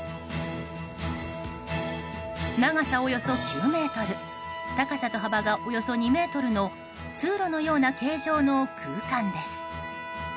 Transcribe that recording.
長さおよそ９ｍ高さと幅がおよそ２ｍの通路のような形状の空間です。